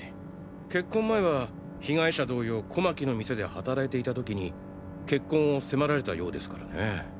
結婚前は被害者同様小牧の店で働いていた時に結婚をせまられたようですからね。